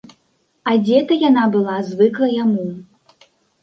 Адзета яна была звыкла яму.